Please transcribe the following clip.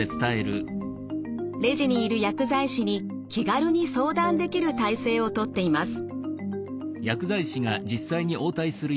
レジにいる薬剤師に気軽に相談できる体制をとっています。